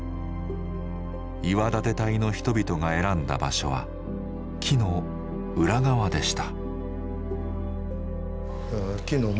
岩舘隊の人々が選んだ場所は木の裏側でした。